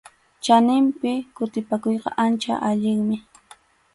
Chaninpi kutipakuyqa ancha allinmi.